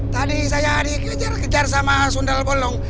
tadi saya dikejar kejar sama sundal bolong